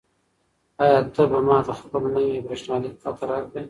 آیا ته به ماته خپله نوې بریښنالیک پته راکړې؟